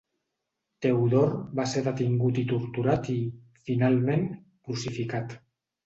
Teodor va ser detingut i torturat i, finalment, crucificat.